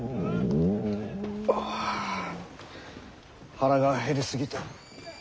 腹が減り過ぎて。